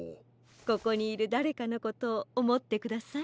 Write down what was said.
ここにいるだれかのことをおもってください。